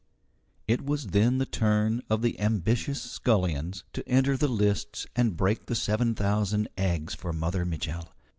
It was then the turn of the ambitious scullions to enter the lists and break the seven thousand eggs for Mother Mitchel.